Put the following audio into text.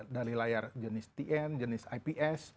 dari layar jenis tn jenis ips